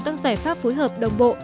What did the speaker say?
các giải pháp phối hợp đồng bộ